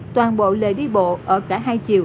toàn bộ lề đi bộ ở cả hai chiều